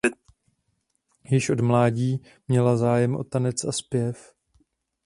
Již od mládí měla zájem o tanec a zpěv.